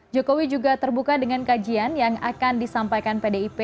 jokowi juga terbuka dengan kajian yang akan disampaikan pdip